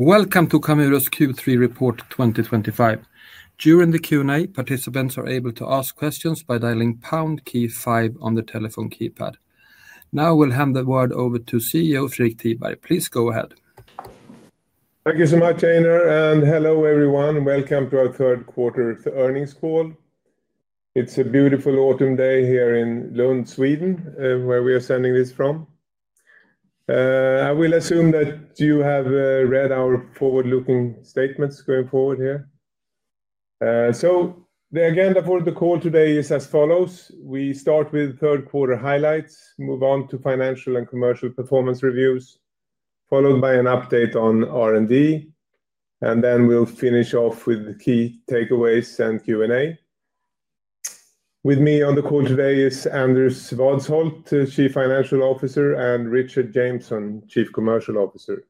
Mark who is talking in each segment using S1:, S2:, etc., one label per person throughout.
S1: Welcome to Camurus Q3 Report 2025. During the Q&A, participants are able to ask questions by dialing pound key five on the telephone keypad. Now I will hand the word over to CEO Fredrik Tiberg. Please go ahead.
S2: Thank you so much, Einar, and hello everyone. Welcome to our third quarter earnings call. It is a beautiful autumn day here in Lund, Sweden, where we are sending this from. I will assume that you have read our forward-looking statements going forward here. The agenda for the call today is as follows. We start with third quarter highlights, move on to financial and commercial performance reviews, followed by an update on R&D, and then we will finish off with key takeaways and Q&A. With me on the call today is Anders Vadsholt, Chief Financial Officer, and Richard Jameson, Chief Commercial Officer.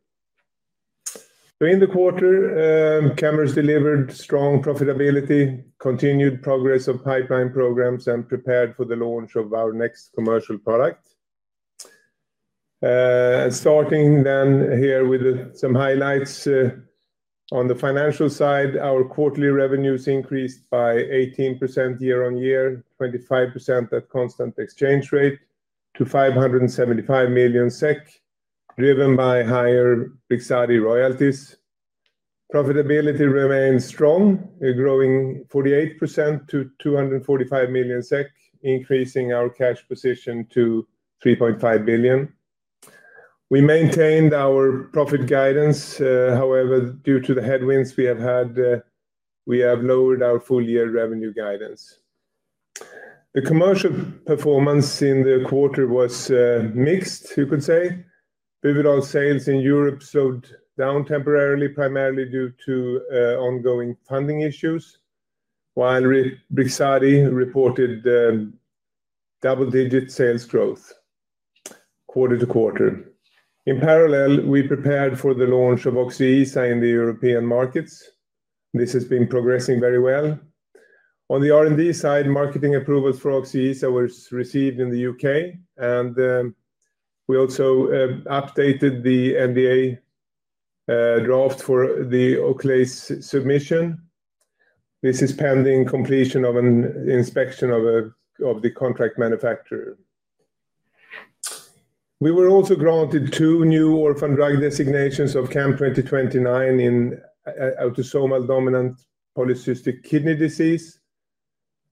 S2: In the quarter, Camurus delivered strong profitability, continued progress of pipeline programs, and prepared for the launch of our next commercial product. Starting then here with some highlights. On the financial side, our quarterly revenues increased by 18% year-on-year, 25% at constant exchange rate to 575 million SEK, driven by higher Brixadi royalties. Profitability remained strong, growing 48% to 245 million SEK, increasing our cash position to 3.5 billion. We maintained our profit guidance. However, due to the headwinds we have had, we have lowered our full year revenue guidance. The commercial performance in the quarter was mixed, you could say. Overall sales in Europe slowed down temporarily, primarily due to ongoing funding issues, while Brixadi reported double-digit sales growth quarter to quarter. In parallel, we prepared for the launch of Oczyesa in the European markets. This has been progressing very well. On the R&D side, marketing approvals for Oczyesa were received in the U.K., and we also updated the NDA draft for the Oclaiz submission. This is pending completion of an inspection of the contract manufacturer. We were also granted two new orphan drug designations of CAM2029 in autosomal dominant polycystic kidney disease,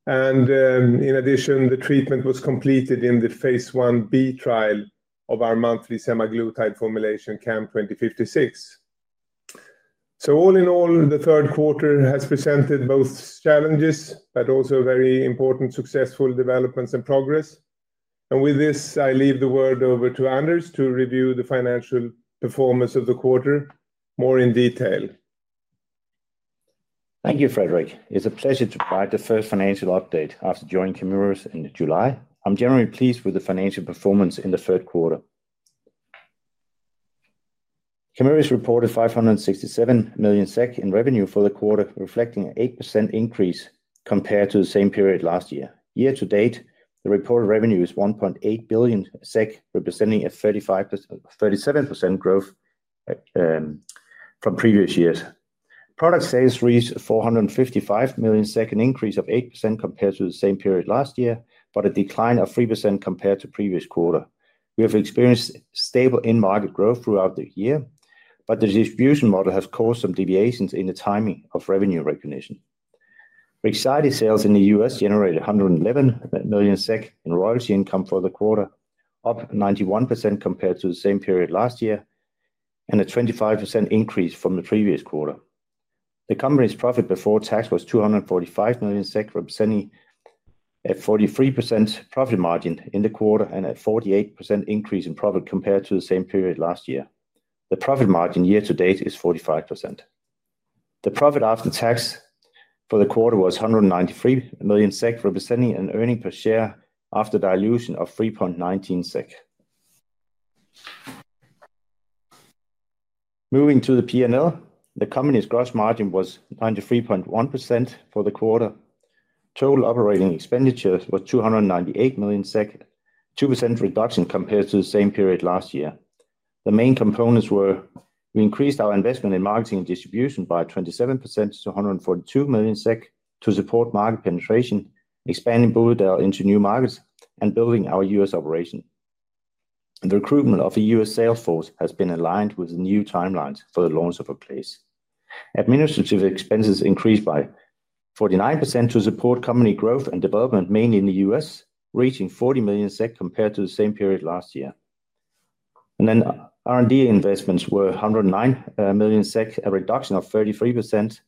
S2: and in addition, the treatment was completed in the phase 1-B trial of our monthly semaglutide formulation, CAM2056. All in all, the third quarter has presented both challenges, but also very important successful developments and progress. With this, I leave the word over to Anders to review the financial performance of the quarter more in detail.
S3: Thank you, Fredrik. It's a pleasure to provide the first financial update after joining Camurus in July. I'm generally pleased with the financial performance in the third quarter. Camurus reported 567 million SEK in revenue for the quarter, reflecting an 8% increase compared to the same period last year. Year to date, the reported revenue is 1.8 billion SEK, representing a 37% growth from previous years. Product sales reached 455 million, an increase of 8% compared to the same period last year, but a decline of 3% compared to the previous quarter. We have experienced stable in-market growth throughout the year, but the distribution model has caused some deviations in the timing of revenue recognition. Brixadi sales in the U.S. generated 111 million SEK in royalty income for the quarter, up 91% compared to the same period last year, and a 25% increase from the previous quarter. The company's profit before tax was 245 million, representing a 43% profit margin in the quarter and a 48% increase in profit compared to the same period last year. The profit margin year to date is 45%. The profit after tax for the quarter was 193 million SEK, representing an earning per share after dilution of 3.19 SEK. Moving to the P&L, the company's gross margin was 93.1% for the quarter. Total operating expenditure was 298 million SEK, a 2% reduction compared to the same period last year. The main components were: we increased our investment in marketing and distribution by 27% to 142 million SEK to support market penetration, expanding Buvidal into new markets, and building our U.S. operation. The recruitment of a U.S. sales force has been aligned with the new timelines for the launch of Oclaiz. Administrative expenses increased by 49% to support company growth and development, mainly in the U.S., reaching 40 million SEK compared to the same period last year. Research and development investments were SEK 109 million, a reduction of 33%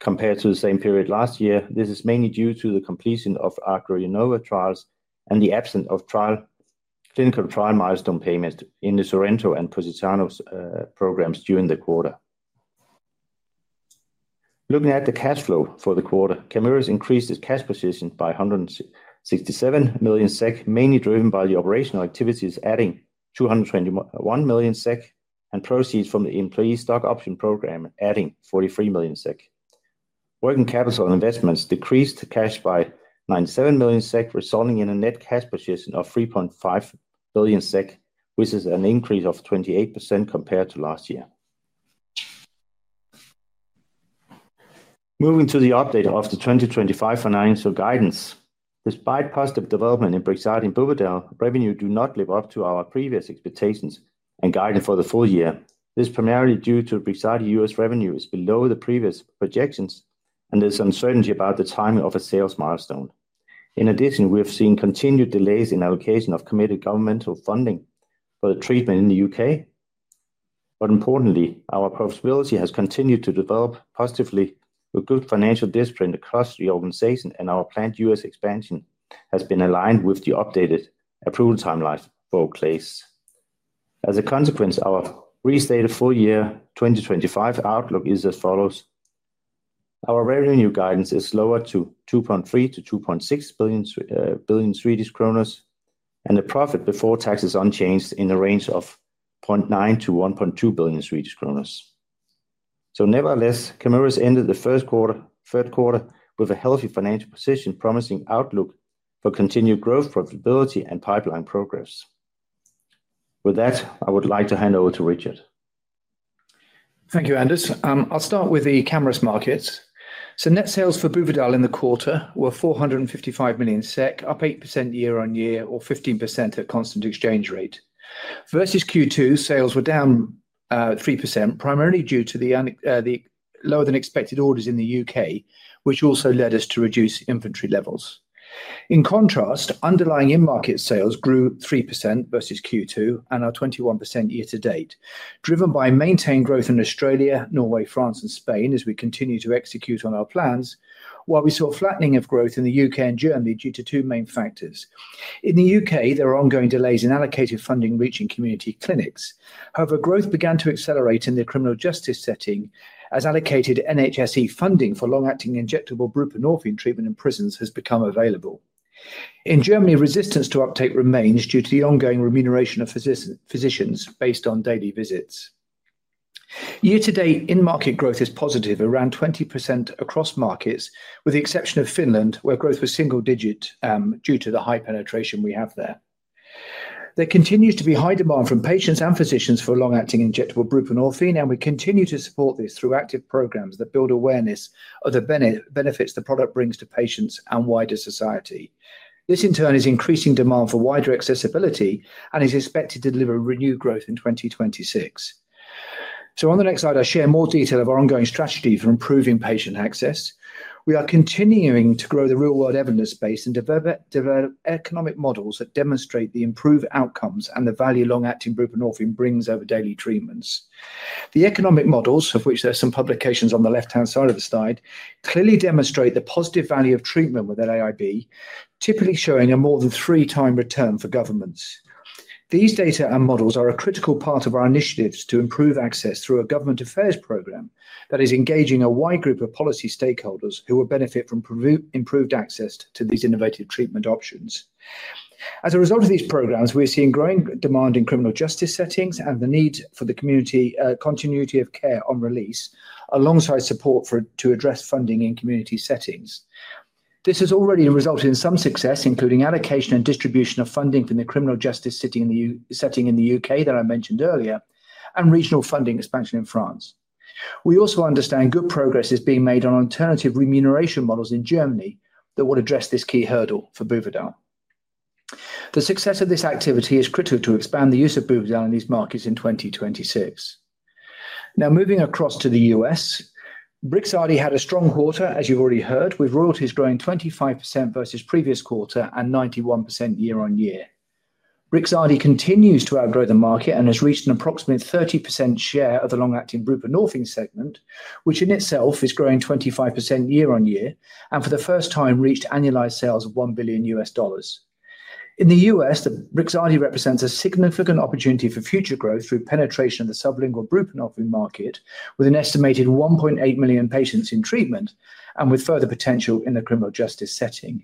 S3: compared to the same period last year. This is mainly due to the completion of ACROINNOVA trials and the absence of clinical trial milestone payments in the SORENTO and POSITANO programs during the quarter. Looking at the cash flow for the quarter, Camurus increased its cash position by 167 million SEK, mainly driven by the operational activities, adding 221 million SEK, and proceeds from the employee stock option program, adding 43 million SEK. Working capital investments decreased cash by 97 million SEK, resulting in a net cash position of 3.5 billion SEK, which is an increase of 28% compared to last year. Moving to the update of the 2025 financial guidance. Despite positive development in Brixadi and Buvidal, revenue did not live up to our previous expectations and guidance for the full year. This is primarily due to Brixadi U.S. revenues below the previous projections, and there's uncertainty about the timing of a sales milestone. In addition, we have seen continued delays in allocation of committed governmental funding for the treatment in the U.K. Importantly, our profitability has continued to develop positively with good financial discipline across the organization, and our planned U.S. expansion has been aligned with the updated approval timelines for Oclaiz. As a consequence, our restated full year 2025 outlook is as follows. Our revenue guidance is lowered to 2.3 billion-2.6 billion, and the profit before tax is unchanged in the range of 0.9 billion-1.2 billion Swedish kronor. Nevertheless, Camurus ended the first quarter with a healthy financial position, promising outlook for continued growth, profitability, and pipeline progress. With that, I would like to hand over to Richard.
S4: Thank you, Anders. I'll start with the Camurus market. Net sales for Buvidal in the quarter were 455 million SEK, up 8% year-on-year, or 15% at constant exchange rate. Versus Q2, sales were down 3%, primarily due to the lower-than-expected orders in the U.K., which also led us to reduce inventory levels. In contrast, underlying in-market sales grew 3% versus Q2 and are 21% year to date, driven by maintained growth in Australia, Norway, France, and Spain as we continue to execute on our plans, while we saw flattening of growth in the U.K. and Germany due to two main factors. In the U.K., there are ongoing delays in allocated funding reaching community clinics. However, growth began to accelerate in the criminal justice setting as allocated NHSE funding for long-acting injectable buprenorphine treatment in prisons has become available. In Germany, resistance to uptake remains due to the ongoing remuneration of physicians based on daily visits. Year to date, in-market growth is positive, around 20% across markets, with the exception of Finland, where growth was single-digit due to the high penetration we have there. There continues to be high demand from patients and physicians for long-acting injectable buprenorphine, and we continue to support this through active programs that build awareness of the benefits the product brings to patients and wider society. This, in turn, is increasing demand for wider accessibility and is expected to deliver renewed growth in 2026. On the next slide, I share more detail of our ongoing strategy for improving patient access. We are continuing to grow the real-world evidence base and develop economic models that demonstrate the improved outcomes and the value long-acting buprenorphine brings over daily treatments. The economic models, of which there are some publications on the left-hand side of the slide, clearly demonstrate the positive value of treatment with an LAIB, typically showing a more than three-time return for governments. These data and models are a critical part of our initiatives to improve access through a government affairs program that is engaging a wide group of policy stakeholders who will benefit from improved access to these innovative treatment options. As a result of these programs, we are seeing growing demand in criminal justice settings and the need for the community continuity of care on release, alongside support to address funding in community settings. This has already resulted in some success, including allocation and distribution of funding from the criminal justice setting in the U.K. that I mentioned earlier, and regional funding expansion in France. We also understand good progress is being made on alternative remuneration models in Germany that will address this key hurdle for Buvidal. The success of this activity is critical to expand the use of Buvidal in these markets in 2026. Now moving across to the U.S., Brixadi had a strong quarter, as you've already heard, with royalties growing 25% versus previous quarter and 91% year-on-year. Brixadi continues to outgrow the market and has reached an approximate 30% share of the long-acting buprenorphine segment, which in itself is growing 25% year-on-year and for the first time reached annualized sales of $1 billion. In the U.S., Brixadi represents a significant opportunity for future growth through penetration of the sublingual buprenorphine market, with an estimated 1.8 million patients in treatment and with further potential in the criminal justice setting.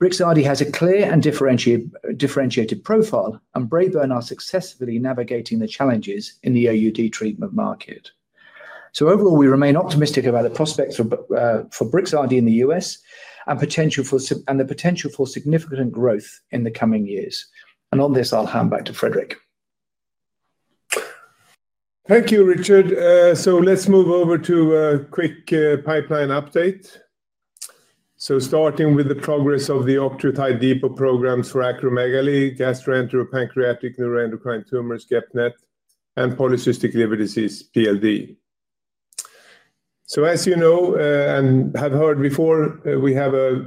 S4: Brixadi has a clear and differentiated profile, and Braeburn are successfully navigating the challenges in the OUD treatment market. Overall, we remain optimistic about the prospects for Brixadi in the U.S. and the potential for significant growth in the coming years. On this, I'll hand back to Fredrik.
S2: Thank you, Richard. Let's move over to a quick pipeline update. Starting with the progress of the octreotide depot programs for acromegaly, gastroenteropancreatic neuroendocrine tumors, GEP-NET, and polycystic liver disease, PLD. As you know and have heard before, we have a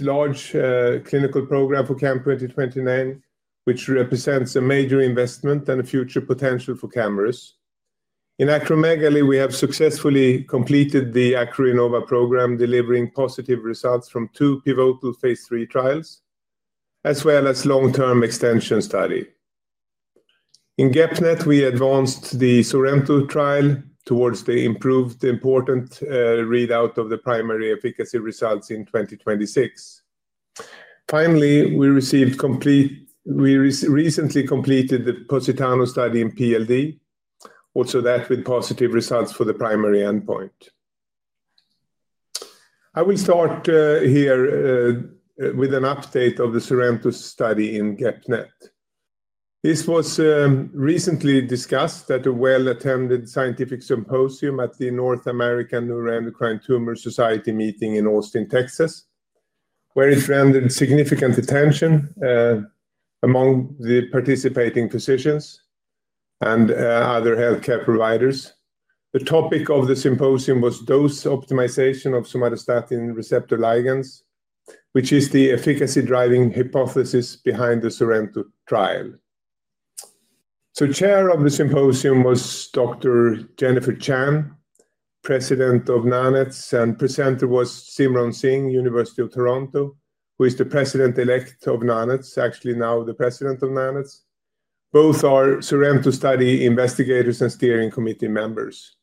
S2: large clinical program for CAM2029, which represents a major investment and a future potential for Camurus. In acromegaly, we have successfully completed the ACROINNOVA program, delivering positive results from two pivotal phase III trials, as well as a long-term extension study. In GEP-NET, we advanced the SORENTO trial towards the important readout of the primary efficacy results in 2026. Finally, we recently completed the POSITANO study in PLD, also with positive results for the primary endpoint. I will start here with an update of the SORENTO study in GEP-NET. This was recently discussed at a well-attended scientific symposium at the North American Neuroendocrine Tumor Society meeting in Austin, Texas, where it rendered significant attention among the participating physicians and other healthcare providers. The topic of the symposium was dose optimization of somatostatin receptor ligands, which is the efficacy driving hypothesis behind the SORENTO trial. Chair of the symposium was Dr. Jennifer Chan, president of NANETS, and presenter was Simron Singh, University of Toronto, who is the president-elect of NANETS, actually now the president of NANETS. Both are SORENTO study investigators and steering committee members.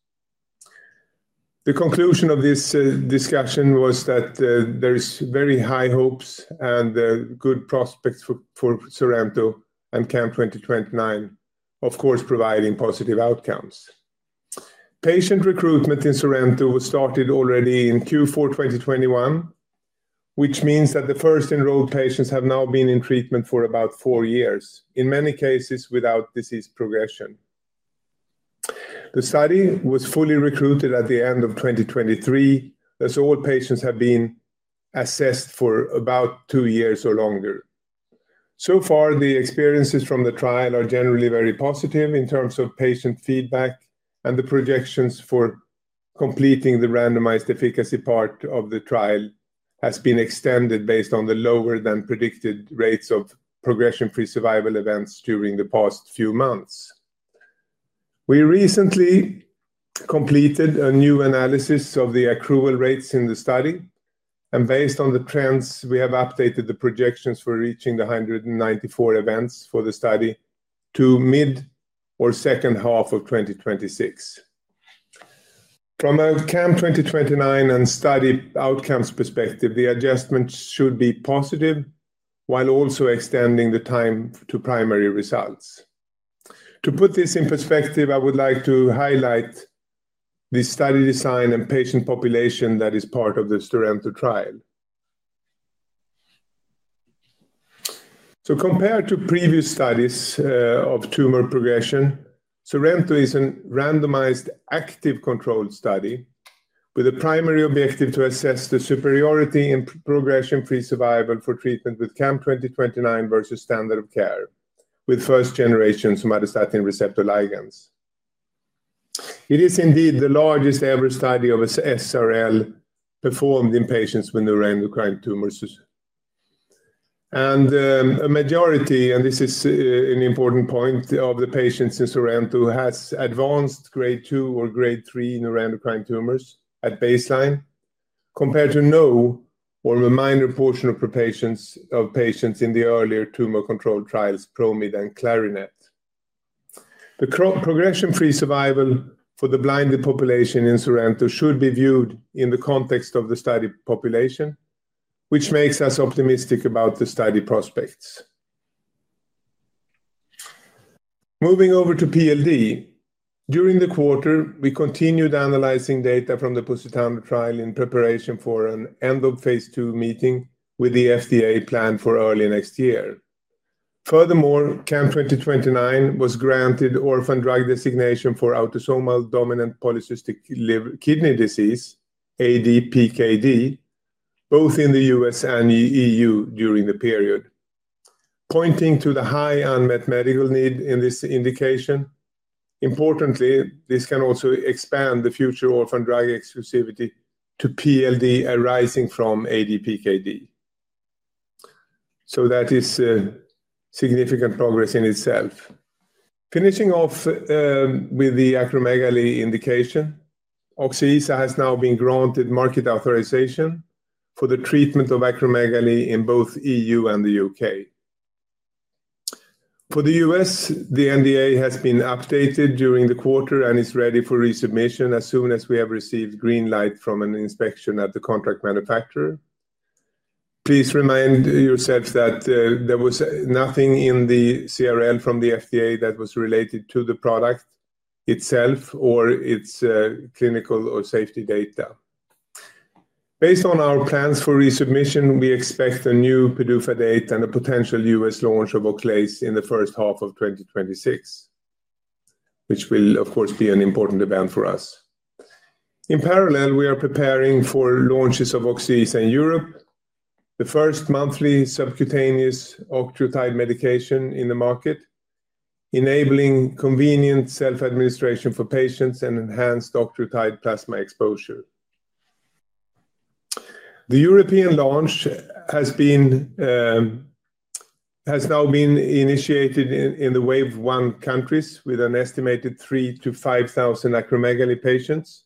S2: The conclusion of this discussion was that there are very high hopes and good prospects for SORENTO and CAM2029, of course providing positive outcomes. Patient recruitment in SORENTO was started already in Q4 2021. Which means that the first enrolled patients have now been in treatment for about four years, in many cases without disease progression. The study was fully recruited at the end of 2023, as all patients have been assessed for about two years or longer. So far, the experiences from the trial are generally very positive in terms of patient feedback, and the projections for completing the randomized efficacy part of the trial have been extended based on the lower than predicted rates of progression-free survival events during the past few months. We recently completed a new analysis of the accrual rates in the study, and based on the trends, we have updated the projections for reaching the 194 events for the study to mid or second half of 2026. From a CAM2029 and study outcomes perspective, the adjustment should be positive, while also extending the time to primary results. To put this in perspective, I would like to highlight the study design and patient population that is part of the SORENTO trial. Compared to previous studies of tumor progression, SORENTO is a randomized active control study with a primary objective to assess the superiority in progression-free survival for treatment with CAM2029 versus standard of care with first-generation somatostatin receptor ligands. It is indeed the largest-ever study of SRL performed in patients with neuroendocrine tumors. A majority, and this is an important point, of the patients in SORENTO has advanced grade two or grade three neuroendocrine tumors at baseline compared to no or a minor portion of patients in the earlier tumor control trials, PROMID and CLARINET. The progression-free survival for the blinded population in SORENTO should be viewed in the context of the study population, which makes us optimistic about the study prospects. Moving over to PLD, during the quarter, we continued analyzing data from the POSITANO trial in preparation for an end-of-phase two meeting with the FDA planned for early next year. Furthermore, CAM2029 was granted orphan drug designation for autosomal dominant polycystic kidney disease, ADPKD, both in the U.S. and EU during the period, pointing to the high unmet medical need in this indication. Importantly, this can also expand the future orphan drug exclusivity to PLD arising from ADPKD. That is significant progress in itself. Finishing off with the acromegaly indication, Oczyesa has now been granted market authorization for the treatment of acromegaly in both EU and the U.K. For the U.S., the NDA has been updated during the quarter and is ready for resubmission as soon as we have received green light from an inspection at the contract manufacturer. Please remind yourself that there was nothing in the CRL from the FDA that was related to the product itself or its clinical or safety data. Based on our plans for resubmission, we expect a new PDUFA date and a potential US launch of Oclaiz in the first half of 2026. This will, of course, be an important event for us. In parallel, we are preparing for launches of Oczyesa in Europe, the first monthly subcutaneous octreotide medication in the market, enabling convenient self-administration for patients and enhanced octreotide plasma exposure. The European launch has now been initiated in the wave one countries with an estimated 3,000-5,000 acromegaly patients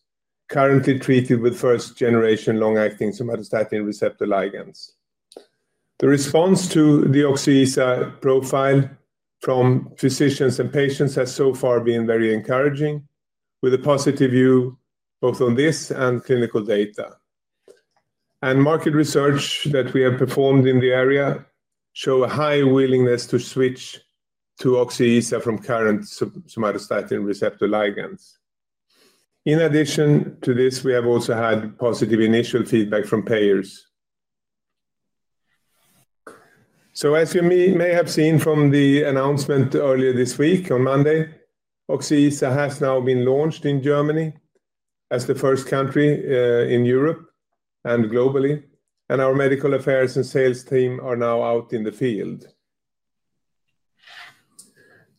S2: currently treated with first-generation long-acting somatostatin receptor ligands. The response to the Oczyesa profile from physicians and patients has so far been very encouraging, with a positive view both on this and clinical data. Market research that we have performed in the area shows a high willingness to switch to Oczyesa from current somatostatin receptor ligands. In addition to this, we have also had positive initial feedback from payers. As you may have seen from the announcement earlier this week on Monday, Oczyesa has now been launched in Germany as the first country in Europe and globally, and our medical affairs and sales team are now out in the field.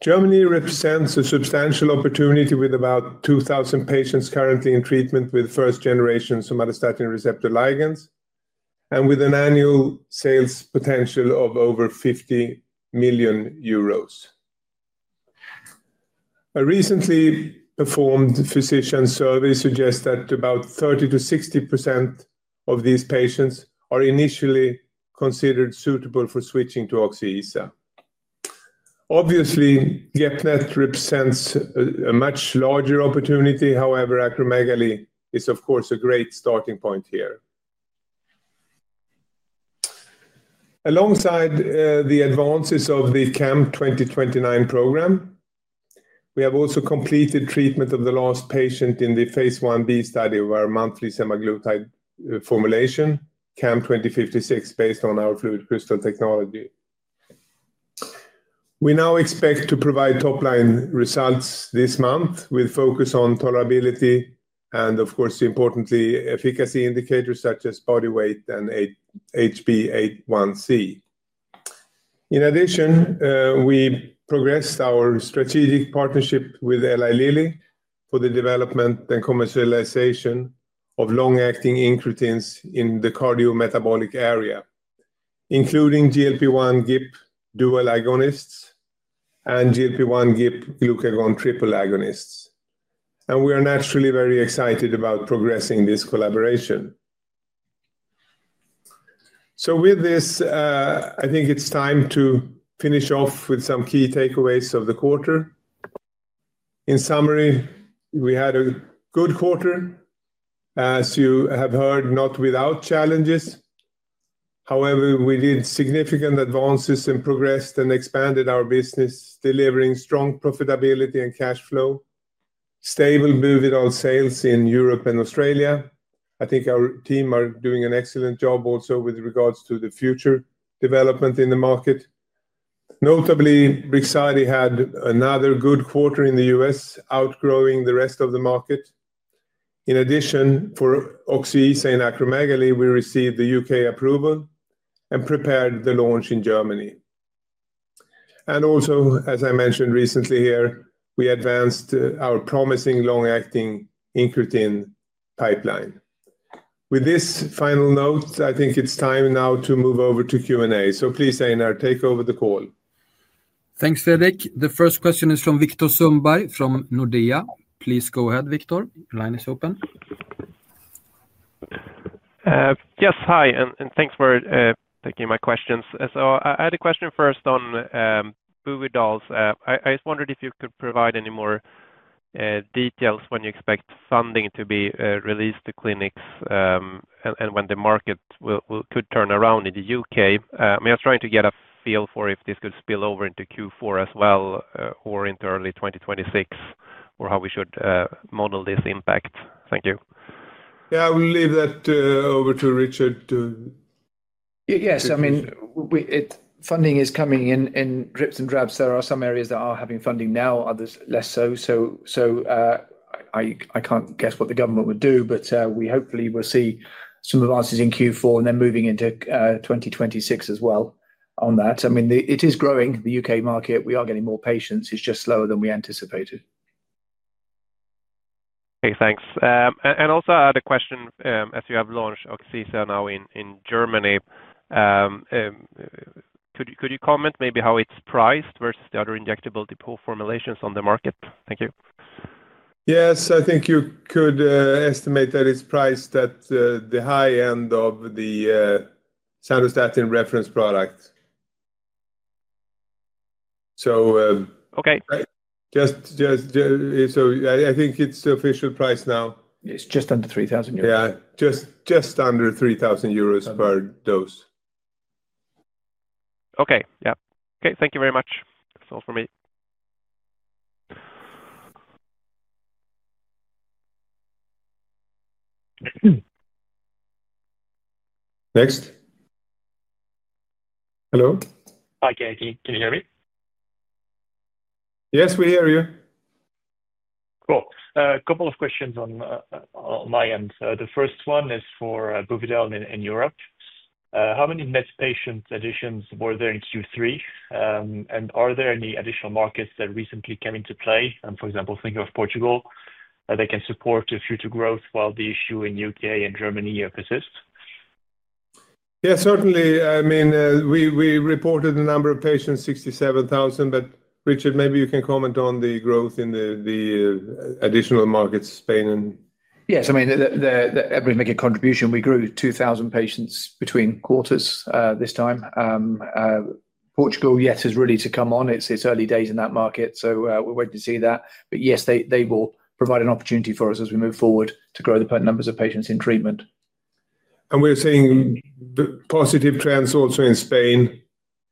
S2: Germany represents a substantial opportunity with about 2,000 patients currently in treatment with first-generation somatostatin receptor ligands and with an annual sales potential of over 50 million euros. A recently performed physician survey suggests that about 30%-60% of these patients are initially considered suitable for switching to Oczyesa. Obviously, GEP-NET represents a much larger opportunity. However, acromegaly is, of course, a great starting point here. Alongside the advances of the CAM2029 program, we have also completed treatment of the last patient in the phase I-B study of our monthly semaglutide formulation, CAM2056, based on our FluidCrystal technology. We now expect to provide top-line results this month with focus on tolerability and, of course, importantly, efficacy indicators such as body weight and HbA1c. In addition, we progressed our strategic partnership with Eli Lilly for the development and commercialization of long-acting incretins in the cardiometabolic area, including GLP-1/GIP dual agonists and GLP-1/GIP/glucagon triple agonists. We are naturally very excited about progressing this collaboration. I think it's time to finish off with some key takeaways of the quarter. In summary, we had a good quarter. As you have heard, not without challenges. However, we did significant advances and progressed and expanded our business, delivering strong profitability and cash flow. Stable Buvidal sales in Europe and Australia. I think our team is doing an excellent job also with regards to the future development in the market. Notably, Brixadi had another good quarter in the U.S., outgrowing the rest of the market. In addition, for Oczyesa in acromegaly, we received the U.K. approval and prepared the launch in Germany. Also, as I mentioned recently here, we advanced our promising long-acting incretin pipeline. With this final note, I think it's time now to move over to Q&A. Please, Einar, take over the call.
S1: Thanks, Fredrik. The first question is from Viktor Sundberg from Nordea. Please go ahead, Viktor. Line is open.
S5: Yes, hi. Thanks for taking my questions. I had a question first on Buvidal. I just wondered if you could provide any more details when you expect funding to be released to clinics and when the market could turn around in the U.K. I mean, I was trying to get a feel for if this could spill over into Q4 as well or into early 2026 or how we should model this impact. Thank you.
S2: Yeah, I will leave that over to Richard too.
S4: Yes, I mean. Funding is coming in drips and drabs. There are some areas that are having funding now, others less so. I can't guess what the government would do, but we hopefully will see some advances in Q4 and then moving into 2026 as well on that. I mean, it is growing, the U.K. market. We are getting more patients. It's just slower than we anticipated.
S5: Okay, thanks. I had a question as you have launched Oczyesa now in Germany. Could you comment maybe how it's priced versus the other injectable depot formulations on the market? Thank you.
S2: Yes, I think you could estimate that it's priced at the high end of the somatostatin reference product.
S5: Okay.
S2: Just. I think it's the official price now.
S4: It's just under 3,000 euros.
S2: Yeah, just under 3,000 euros per dose.
S5: Okay, yeah. Okay, thank you very much. That's all for me.
S2: Next. Hello? Hi, Fredrik. Can you hear me? Yes, we hear you. Cool. A couple of questions on my end. The first one is for Buvidal in Europe. How many net patient additions were there in Q3? Are there any additional markets that recently came into play? For example, think of Portugal. That can support future growth while the issue in the U.K. and Germany persists. Yeah, certainly. I mean, we reported a number of patients, 67,000, but Richard, maybe you can comment on the growth in the additional markets, Spain and.
S4: Yes, I mean, everybody making a contribution. We grew 2,000 patients between quarters this time. Portugal, yes, is ready to come on. It's early days in that market, so we're waiting to see that. Yes, they will provide an opportunity for us as we move forward to grow the numbers of patients in treatment.
S2: We are seeing the positive trends also in Spain,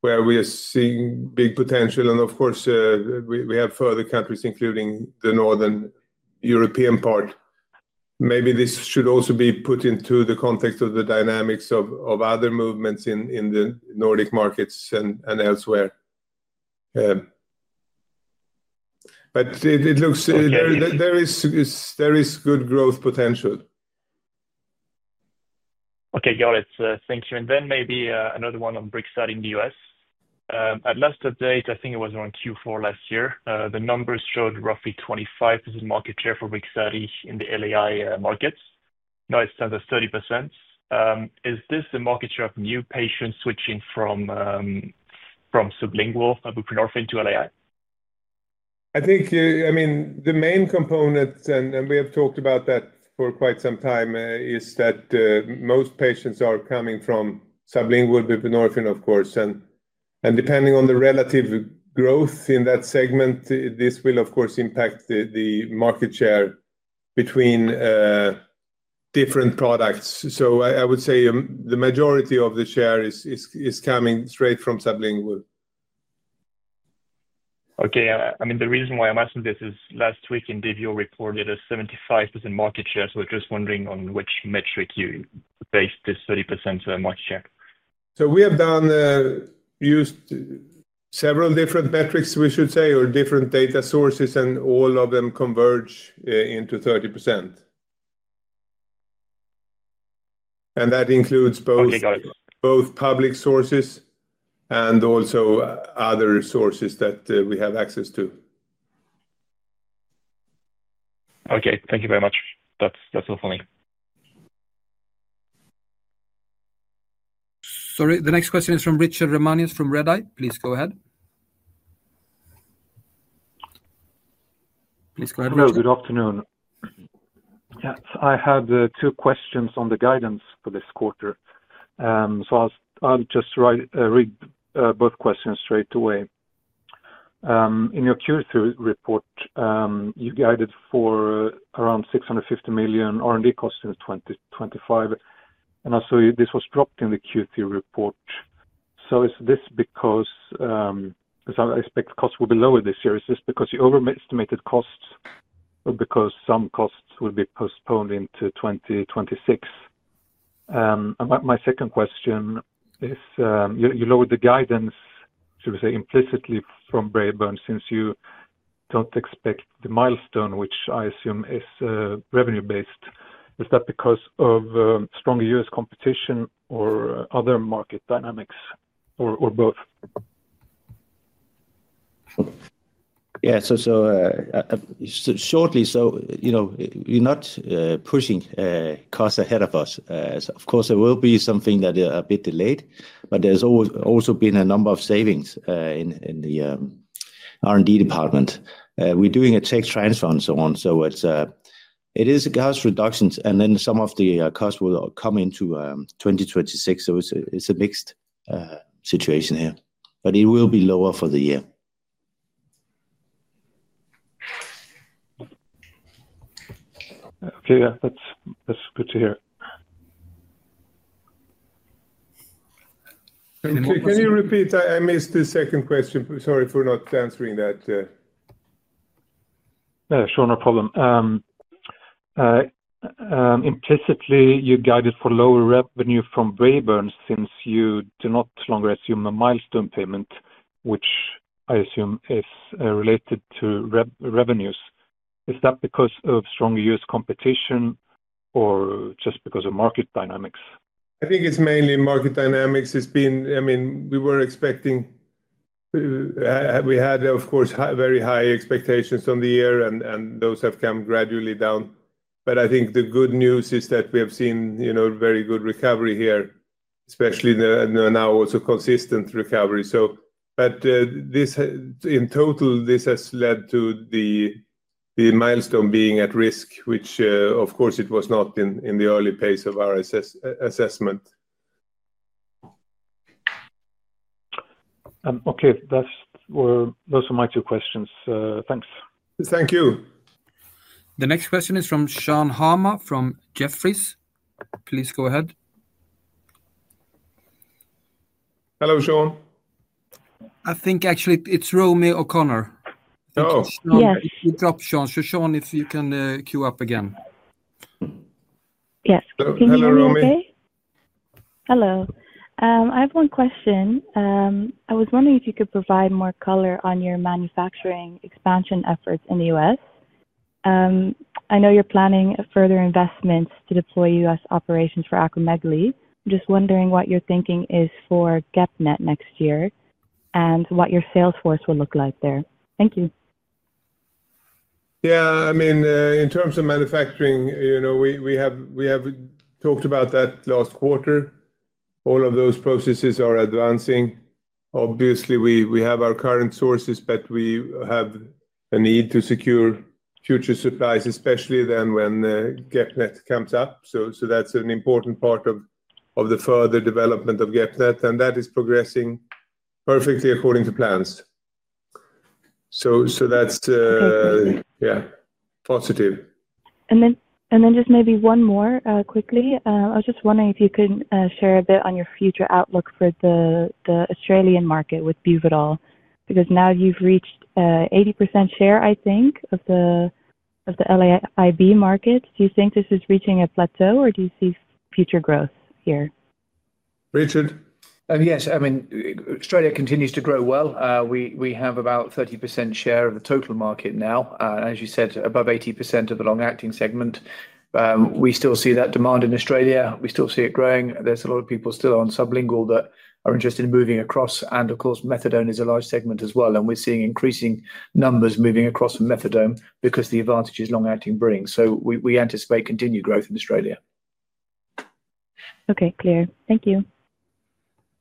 S2: where we are seeing big potential. Of course, we have further countries, including the northern European part. Maybe this should also be put into the context of the dynamics of other movements in the Nordic markets and elsewhere. It looks there is good growth potential. Okay, got it. Thank you. Maybe another one on Brixadi in the U.S. At last update, I think it was around Q4 last year, the numbers showed roughly 25% market share for Brixadi in the LAI markets. Now it stands at 30%. Is this the market share of new patients switching from sublingual buprenorphine to LAI? I think, I mean, the main component, and we have talked about that for quite some time, is that most patients are coming from sublingual buprenorphine, of course. Depending on the relative growth in that segment, this will, of course, impact the market share between different products. I would say the majority of the share is coming straight from sublingual. Okay, I mean, the reason why I'm asking this is last week Indivior reported a 75% market share. So we're just wondering on which metric you based this 30% market share. We have done, used several different metrics, we should say, or different data sources, and all of them converge into 30%. That includes both. Okay, got it. Public sources and also other sources that we have access to. Okay, thank you very much. That's all for me.
S1: Sorry, the next question is from Richard Ramanius from Redeye. Please go ahead. Please go ahead, Richard.
S6: Hello, good afternoon. Yes, I had two questions on the guidance for this quarter. I'll just read both questions straight away. In your Q3 report, you guided for around 650 million R&D costs in 2025. Also, this was dropped in the Q3 report. Is this because you expect costs will be lower this year? Is this because you overestimated costs or because some costs will be postponed into 2026? My second question is you lowered the guidance, should we say, implicitly from Braeburn since you don't expect the milestone, which I assume is revenue-based. Is that because of stronger U.S. competition or other market dynamics or both?
S3: Yeah, so. Shortly, so we're not pushing costs ahead of us. Of course, there will be something that is a bit delayed, but there's also been a number of savings in the R&D department. We're doing a tech transfer and so on. So it is cost reductions, and then some of the costs will come into 2026. It's a mixed situation here, but it will be lower for the year.
S6: Okay, yeah, that's good to hear.
S2: Can you repeat that? I missed the second question. Sorry for not answering that.
S6: Yeah, sure, no problem. Implicitly, you guided for lower revenue from Braeburn since you do not longer assume a milestone payment, which I assume is related to revenues. Is that because of stronger U.S. competition or just because of market dynamics?
S2: I think it's mainly market dynamics. I mean, we were expecting. We had, of course, very high expectations on the year, and those have come gradually down. I think the good news is that we have seen very good recovery here, especially now also consistent recovery. In total, this has led to the milestone being at risk, which, of course, it was not in the early phase of our assessment.
S6: Okay, that was my two questions. Thanks.
S2: Thank you.
S1: The next question is from Shan Hama from Jefferies. Please go ahead.
S2: Hello, Shan.
S1: I think actually it's Romy O'Connor.
S2: Oh, yeah.
S1: You dropped Shan. Shan, if you can queue up again.
S7: Yes.
S2: Hello, Romy.
S7: Hello. I have one question. I was wondering if you could provide more color on your manufacturing expansion efforts in the U.S. I know you're planning further investments to deploy U.S. operations for acromegaly. I'm just wondering what your thinking is for GEP-NET next year and what your sales force will look like there. Thank you.
S2: Yeah, I mean, in terms of manufacturing, we have talked about that last quarter. All of those processes are advancing. Obviously, we have our current sources, but we have a need to secure future supplies, especially then when GEP-NET comes up. That is an important part of the further development of GEP-NET. That is progressing perfectly according to plans. That is, yeah, positive.
S7: Just maybe one more quickly. I was just wondering if you could share a bit on your future outlook for the Australian market with Buvidal, because now you've reached 80% share, I think, of the LAIB market. Do you think this is reaching a plateau, or do you see future growth here?
S2: Richard?
S4: Yes, I mean, Australia continues to grow well. We have about 30% share of the total market now, as you said, above 80% of the long-acting segment. We still see that demand in Australia. We still see it growing. There is a lot of people still on sublingual that are interested in moving across. Of course, methadone is a large segment as well. We are seeing increasing numbers moving across from methadone because of the advantages long-acting brings. We anticipate continued growth in Australia.
S7: Okay, clear. Thank you.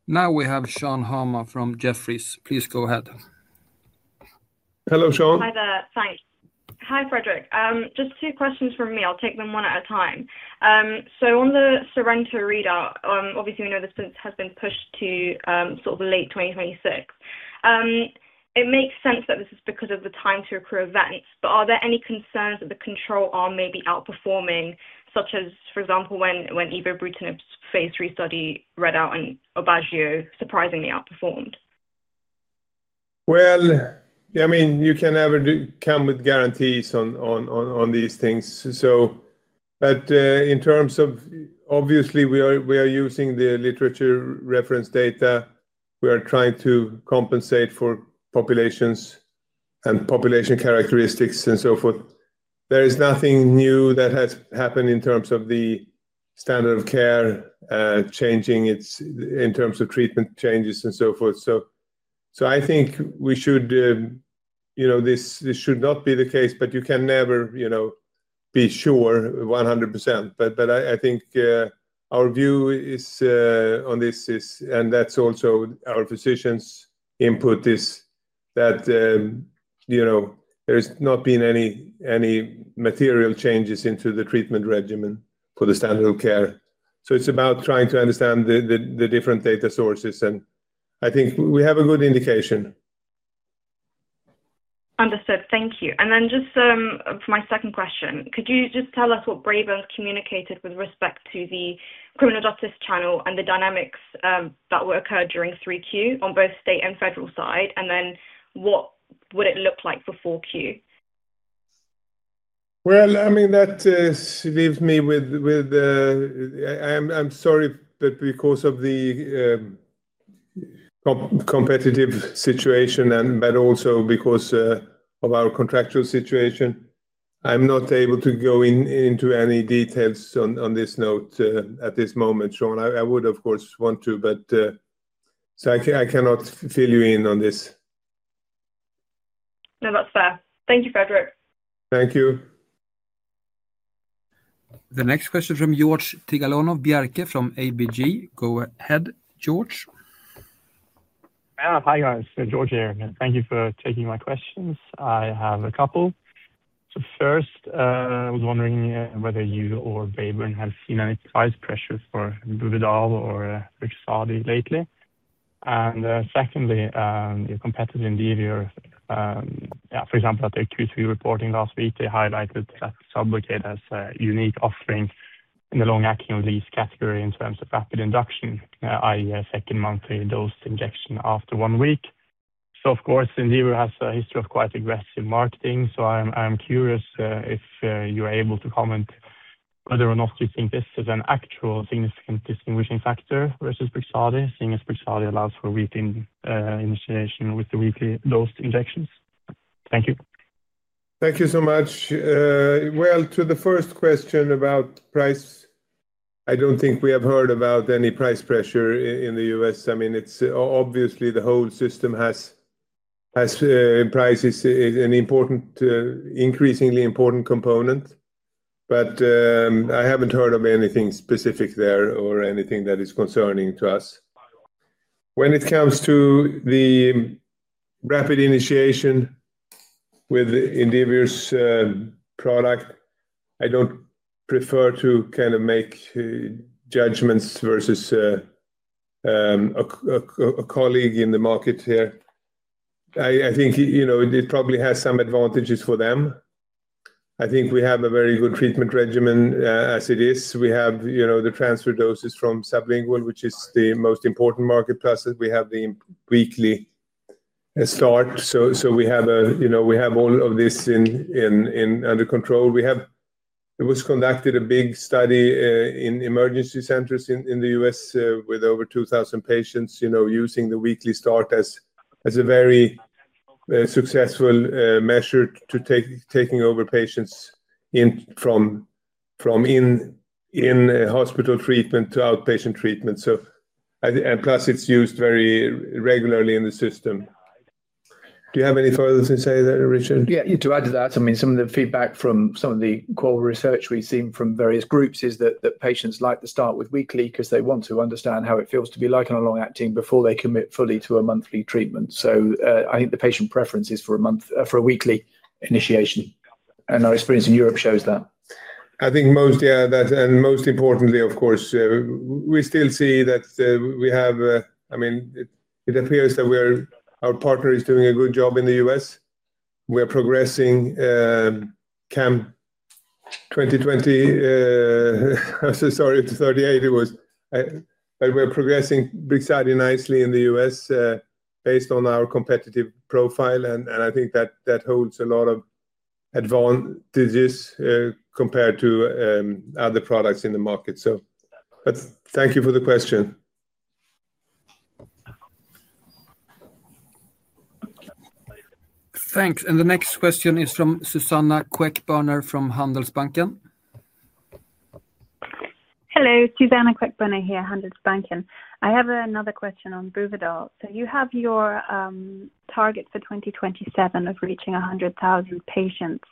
S1: Now we have Shan Hama from Jefferies. Please go ahead.
S2: Hello, Shan.
S8: Hi there. Thanks. Hi, Fredrik. Just two questions from me. I'll take them one at a time. On the SORENTO readout, obviously, we know this has been pushed to sort of late 2026. It makes sense that this is because of the time to recruit events, but are there any concerns that the control arm may be outperforming, such as, for example, when brutinib's phase III study read out and Aubagio surprisingly outperformed?
S2: I mean, you can never come with guarantees on these things. In terms of, obviously, we are using the literature reference data. We are trying to compensate for populations and population characteristics and so forth. There is nothing new that has happened in terms of the standard of care changing in terms of treatment changes and so forth. I think we should. This should not be the case, but you can never be sure 100%. I think our view on this is, and that's also our physicians' input, is that there has not been any material changes into the treatment regimen for the standard of care. It is about trying to understand the different data sources. I think we have a good indication.
S8: Understood. Thank you. For my second question, could you just tell us what Braeburn's communicated with respect to the criminal justice channel and the dynamics that will occur during 3Q on both state and federal side, and then what would it look like before Q?
S2: I mean, that leaves me with, I'm sorry, but because of the competitive situation, but also because of our contractual situation, I'm not able to go into any details on this note at this moment, Shan. I would, of course, want to, but I cannot fill you in on this.
S8: No, that's fair. Thank you, Fredrik.
S2: Thank you.
S1: The next question is from Georg Tigalonov-Bjerke from ABG. Go ahead, George.
S9: Hi, guys. Georg here. Thank you for taking my questions. I have a couple. First, I was wondering whether you or Braeburn have seen any price pressure for Buvidal or Brixadi lately. Secondly, your competitor, Indivior, for example, at their Q3 reporting last week, they highlighted that Sublocade as a unique offering in the long-acting release category in terms of rapid induction, i.e., a second monthly dose injection after one week. Indivior has a history of quite aggressive marketing. I'm curious if you're able to comment whether or not you think this is an actual significant distinguishing factor versus Brixadi, seeing as Brixadi allows for weekly initiation with the weekly dose injections. Thank you.
S2: Thank you so much. To the first question about price, I don't think we have heard about any price pressure in the U.S. I mean, obviously, the whole system has. Price is an increasingly important component. I haven't heard of anything specific there or anything that is concerning to us. When it comes to the rapid initiation with Indivior's product, I don't prefer to kind of make judgments versus a colleague in the market here. I think it probably has some advantages for them. I think we have a very good treatment regimen as it is. We have the transfer doses from sublingual, which is the most important market process. We have the weekly start, so we have all of this under control. There was a big study conducted in emergency centers in the U.S. with over 2,000 patients using the weekly start as a very. Successful measure to take over patients from in-hospital treatment to outpatient treatment. Plus, it's used very regularly in the system. Do you have any further to say there, Richard?
S4: Yeah, to add to that, I mean, some of the feedback from some of the qual research we've seen from various groups is that patients like to start with weekly because they want to understand how it feels to be like on a long-acting before they commit fully to a monthly treatment. I think the patient preference is for a weekly initiation. Our experience in Europe shows that.
S2: I think most, yeah, and most importantly, of course, we still see that we have, I mean, it appears that our partner is doing a good job in the U.S. We are progressing. CAM2029. Sorry, 38 it was. But we're progressing Brixadi nicely in the US based on our competitive profile. I think that holds a lot of advantages compared to other products in the market. Thank you for the question.
S1: Thanks. The next question is from Suzanna Queckbörner from Handelsbanken.
S10: Hello, Suzanna Queckbörnerhere, Handelsbanken. I have another question on Buvidal. You have your target for 2027 of reaching 100,000 patients.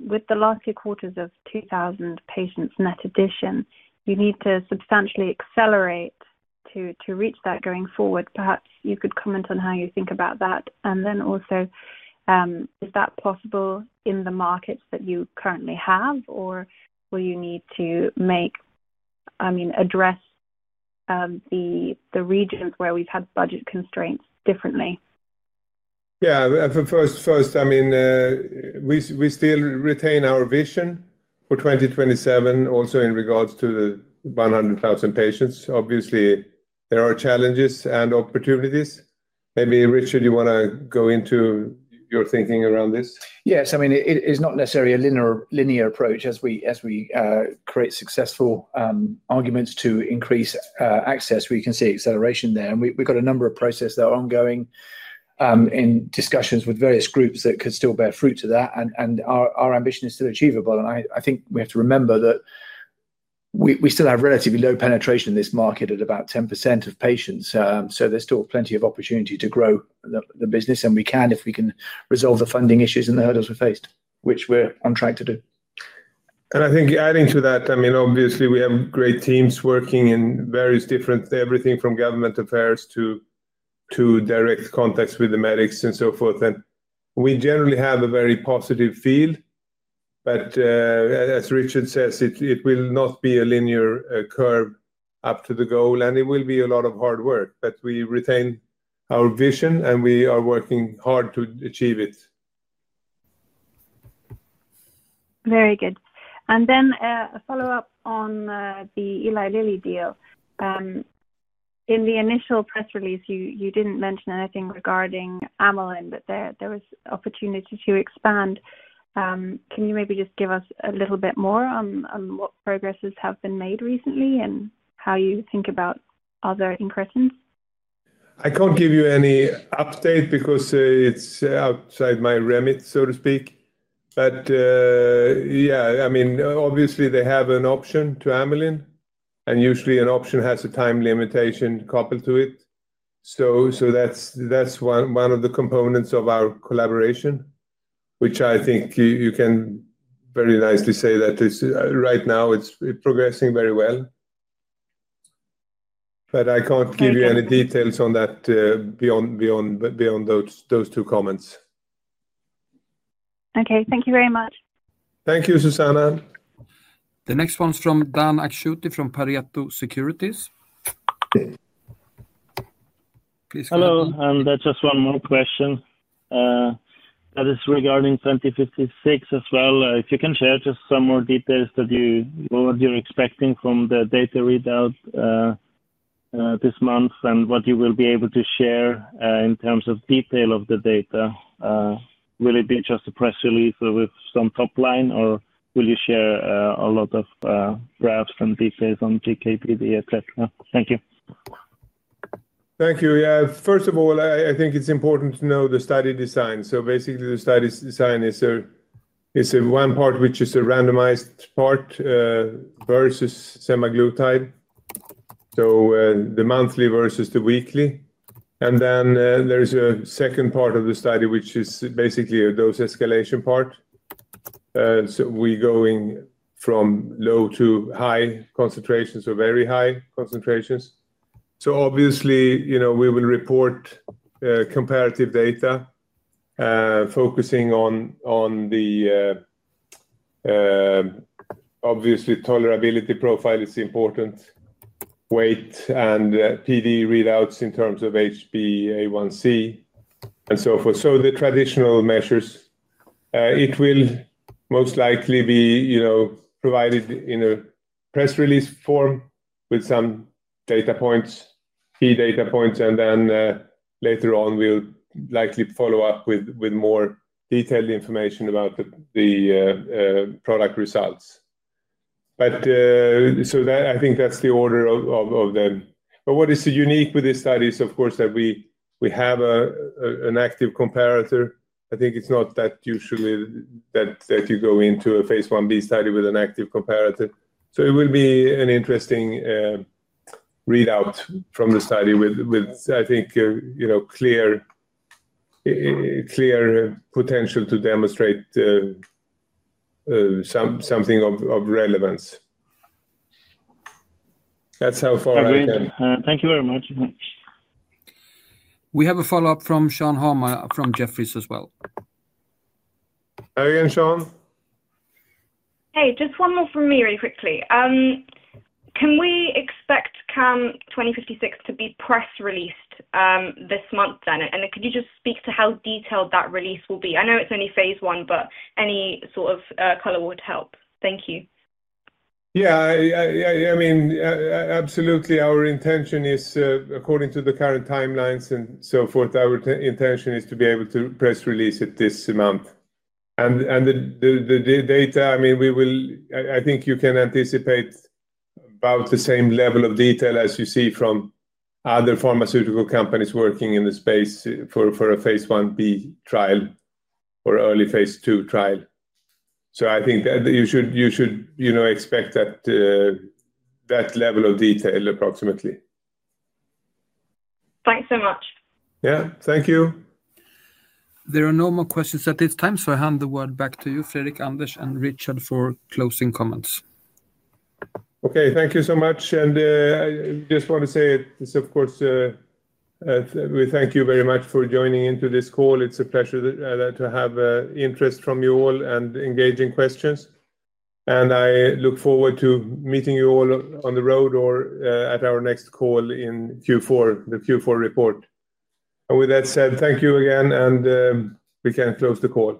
S10: With the last few quarters of 2,000 patients net addition, you need to substantially accelerate to reach that going forward. Perhaps you could comment on how you think about that. Also, is that possible in the markets that you currently have, or will you need to address the regions where we've had budget constraints differently?
S2: Yeah, first, I mean. We still retain our vision for 2027, also in regards to the 100,000 patients. Obviously, there are challenges and opportunities. Maybe, Richard, you want to go into your thinking around this?
S4: Yes, I mean, it's not necessarily a linear approach. As we create successful arguments to increase access, we can see acceleration there. We've got a number of processes that are ongoing. In discussions with various groups that could still bear fruit to that. Our ambition is still achievable. I think we have to remember that. We still have relatively low penetration in this market at about 10% of patients. There's still plenty of opportunity to grow the business. We can if we can resolve the funding issues and the hurdles we faced, which we're on track to do.
S2: I think adding to that, I mean, obviously, we have great teams working in various different everything from government affairs to direct contacts with the medics and so forth. We generally have a very positive field. As Richard says, it will not be a linear curve up to the goal. It will be a lot of hard work. We retain our vision, and we are working hard to achieve it.
S10: Very good. Then a follow-up on the Eli Lilly deal. In the initial press release, you did not mention anything regarding Amylin, but there was opportunity to expand. Can you maybe just give us a little bit more on what progresses have been made recently and how you think about other increments?
S2: I can't give you any update because it's outside my remit, so to speak. Yeah, I mean, obviously, they have an option to Amylin. Usually, an option has a time limitation coupled to it. That's one of the components of our collaboration, which I think you can very nicely say that right now it's progressing very well. I can't give you any details on that beyond those two comments.
S10: Okay, thank you very much.
S2: Thank you, Suzanna.
S1: The next one's from Dan Akschuti from Pareto Securities.
S11: Hello, and just one more question. That is regarding 2056 as well. If you can share just some more details that you're expecting from the data readout this month and what you will be able to share in terms of detail of the data. Will it be just a press release with some top line, or will you share a lot of graphs and details on GKPD, etc.? Thank you.
S2: Thank you. Yeah, first of all, I think it's important to know the study design. Basically, the study design is one part which is a randomized part versus semaglutide, so the monthly versus the weekly. There is a second part of the study, which is basically a dose escalation part, so we're going from low to high concentrations or very high concentrations. Obviously, we will report comparative data, focusing on the obviously, tolerability profile is important, weight, and PD readouts in terms of HbA1c and so forth. The traditional measures, it will most likely be provided in a press release form with some data points, key data points. Later on, we'll likely follow up with more detailed information about the product results. I think that's the order of them. What is unique with this study is, of course, that we have an active comparator. I think it's not that usual that you go into a phase I-B study with an active comparator. It will be an interesting readout from the study with, I think, clear potential to demonstrate something of relevance. That's how far I can.
S11: Thank you very much.
S1: We have a follow-up from Shan Hama from Jefferies as well.
S2: Again, Shan?
S8: Hey, just one more from me really quickly. Can we expect CAM2056 to be press released this month then? Could you just speak to how detailed that release will be? I know it's only phase one, but any sort of color would help. Thank you.
S2: Yeah, I mean, absolutely, our intention is, according to the current timelines and so forth, our intention is to be able to press release it this month. The data, I mean, I think you can anticipate about the same level of detail as you see from other pharmaceutical companies working in the space for a phase I-B trial or early phase II trial. I think that you should expect that level of detail approximately.
S8: Thanks so much.
S2: Yeah, thank you.
S1: There are no more questions at this time. So I hand the word back to you, Fredrik, Anders, and Richard, for closing comments.
S2: Okay, thank you so much. I just want to say it's, of course, we thank you very much for joining into this call. It's a pleasure to have interest from you all and engaging questions. I look forward to meeting you all on the road or at our next call in Q4, the Q4 report. With that said, thank you again, and we can close the call.